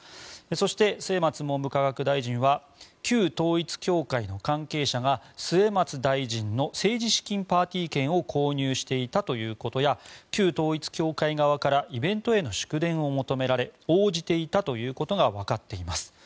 そして、末松文部科学大臣は旧統一教会の関係者が末松大臣の政治資金パーティー券を購入していたということや旧統一教会側からイベントへの祝電を求められ応じていたということがわかっています。